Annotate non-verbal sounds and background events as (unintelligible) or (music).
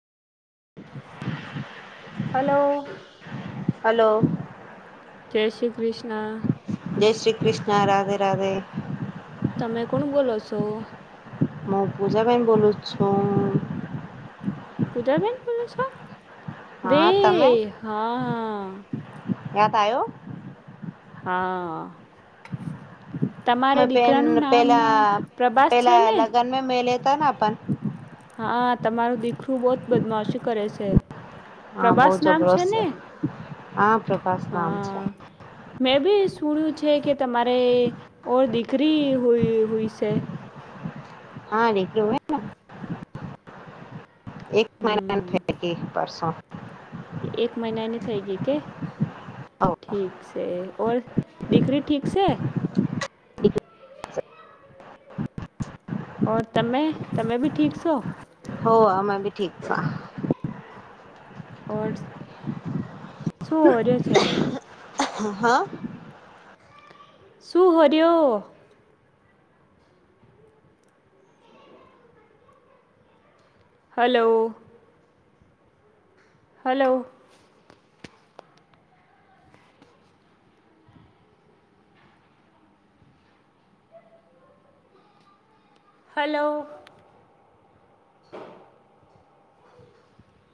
Hello hello જય શ્રી કૃષ્ણ. જય શ્રી કૃષ્ણ રાધે રાધે. તમે કોણ બોલો સો? હું પૂજાબેન બોલુ છું. પૂજાબેન બોલો છો બે હા હા યાત આયો હા તમારે દીકરાનું (unintelligible) નામ પેલા પ્રભાસ છે પેલા ને લગન મે (unintelligible) હા તમારું દીકરું બહુ જ બદમાશ કરે છે. હા બહુ પ્રભાસ નામ છે જબરોસ્ત ને હા પ્રભાસ નામ છે હા. મેં બી સુણ્યું છે કે તમારે ઓર દીકરી હોય હોય છે. હા (unintelligible) એક મહિના હમ (unintelligible) એક મહિનાની થઈ ગઈ કે. ઠીક છે ઓર (unintelligible) ઠીક છે (inaudible) ઓર તમે તમે બી ઠીક છો. હો અમે બી ઠીક છા ઓર, શું (unintelligible) હા. શું હર્યો? Hello hello hello